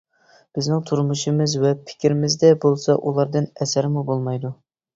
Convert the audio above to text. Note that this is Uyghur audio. بىزنىڭ تۇرمۇشىمىز ۋە پىكرىمىزدە بولسا ئۇلاردىن ئەسەرمۇ بولمايدۇ.